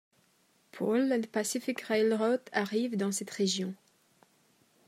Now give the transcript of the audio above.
Paul and Pacific Railroad arrive dans cette région.